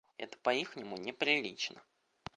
Это по ихнему неприлично.